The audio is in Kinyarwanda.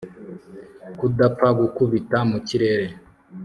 kudapfa gukubita mu kirere